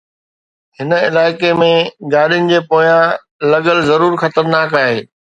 هن علائقي ۾ گاڏين جي پويان لڳل ضرور خطرناڪ آهي